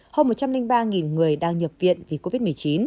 hơn một trăm linh ba người đang nhập viện vì covid một mươi chín